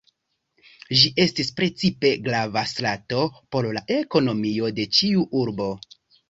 Ĝi estis precipe grava strato por la ekonomio de ĉiu urbo.